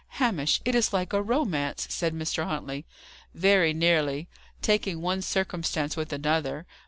"Hamish, it is like a romance!" said Mr. Huntley. "Very nearly, taking one circumstance with another.